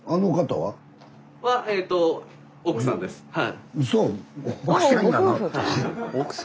はい。